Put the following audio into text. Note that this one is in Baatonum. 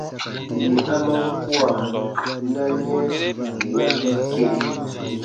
Yè a man kua, na yɛ̃ yè ya mɛ kere.